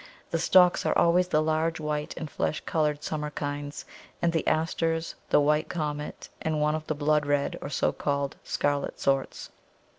The Stocks are always the large white and flesh coloured summer kinds, and the Asters, the White Comet, and one of the blood red or so called scarlet sorts.